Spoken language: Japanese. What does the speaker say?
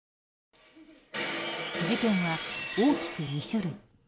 事件は大きく２種類。